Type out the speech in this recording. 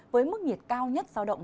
với mức nhiệt cao nhất giao động